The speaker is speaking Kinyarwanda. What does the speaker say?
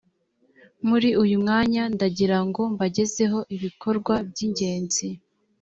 muri uyu mwanya ndagira ngo mbagezeho ibikorwa by’ingenzi